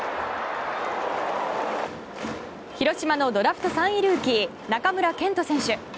広島のドラフト３位ルーキー中村健人選手。